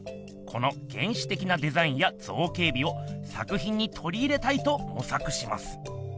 この原始的なデザインや造形美を作品にとり入れたいともさくします。